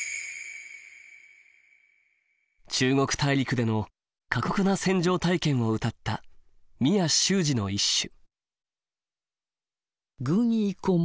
中国大陸での過酷な戦場体験を歌った宮柊二の一首。